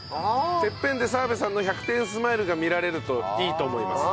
てっぺんで澤部さんの１００点スマイルが見られるといいと思います。